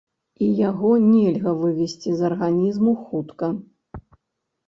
І яго нельга вывесці з арганізму хутка.